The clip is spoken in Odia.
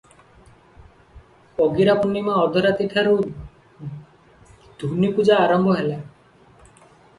ଅଗିରାପୂର୍ଣ୍ଣିମା ଅଧରାତିଠାରୁ ଧୂନି ପୂଜା ଆରମ୍ଭ ହେଲା ।